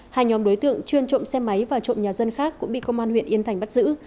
hai nhóm đối tượng chuyên trộm xe máy và trộm nhà dân khác cũng bị công an huyện yên thành bắt giữ